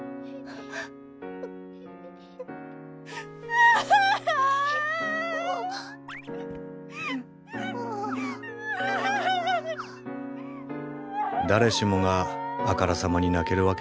誰しもがあからさまに泣けるわけではない。